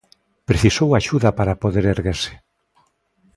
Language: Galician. Precisou axuda para poder erguerse.